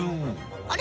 あれ？